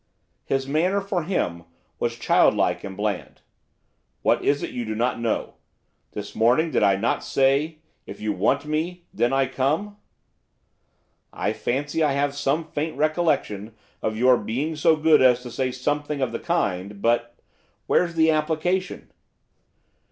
His manner, for him, was childlike and bland. 'What is it you do not know? This morning did I not say, if you want me, then I come?' 'I fancy I have some faint recollection of your being so good as to say something of the kind, but where's the application?